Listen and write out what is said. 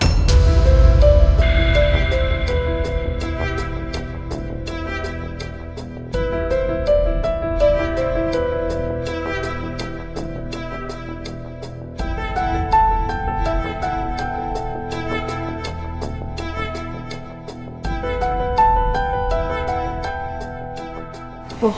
dia sudah berubah